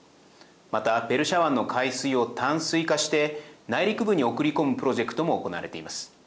またペルシャ湾の海水を淡水化して内陸部に送り込むプロジェクトも行われています。